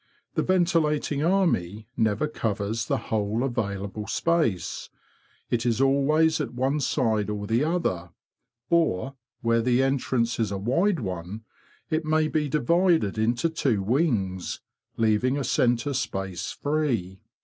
The ventilating army never covers the whole available space. It is always at one side or the other; or, where the entrance is a wide one, it may be divided into two wings, leaving a centre space free.